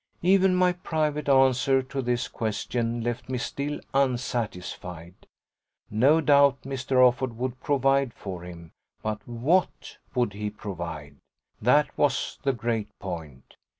Even my private answer to this question left me still unsatisfied. No doubt Mr. Offord would provide for him, but WHAT would he provide? that was the great point.